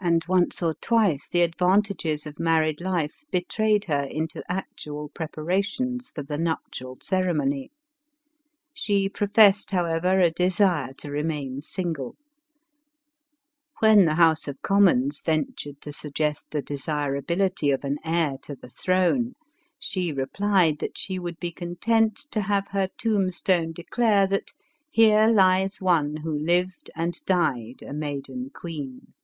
And once or twice the advantages of married life betrayed her into actual preparations for the nuptial ceremony. She professed, however, a desire to remain single ; when the House of Commons ventured to suggest the desirability of an heir to the throne, she replied that she would be con tent to have her tombstone declare that " here lies one who lived and died a maiden queen."